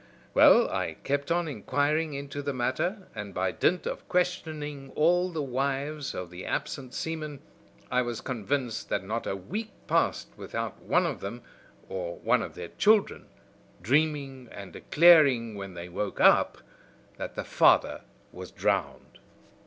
Well, I kept on inquiring into the matter, and by dint of questioning all the wives of the absent seamen, I was convinced that not a week passed without one of them, or one of their children dreaming and declaring when they woke up that the father was drowned.